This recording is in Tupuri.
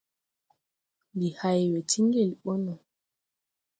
Ndi hay we tii ŋgel ɓɔ no...